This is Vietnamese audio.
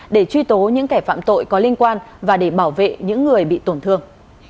để truy tố những kẻ phạm tội có liên quan và để bảo vệ những người bị tổn thương